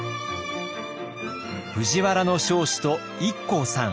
藤原彰子とＩＫＫＯさん。